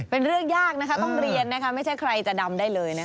เป็นเรื่องยากนะคะต้องเรียนนะคะไม่ใช่ใครจะดำได้เลยนะคะ